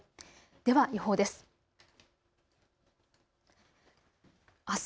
では予報です。